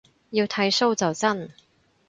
要剃鬚就真